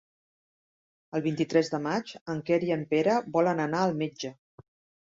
El vint-i-tres de maig en Quer i en Pere volen anar al metge.